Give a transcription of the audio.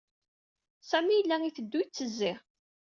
Sami yella itteddu, ittezzi.